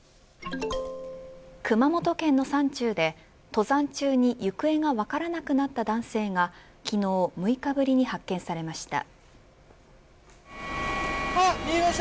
熊本県の山中で、登山中に行方が分からなくなった男性が昨日６日ぶりに発見されました。